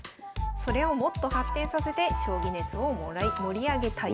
それをもっと発展させて将棋熱を盛り上げたい。